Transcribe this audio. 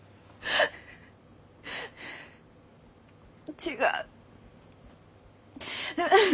違う。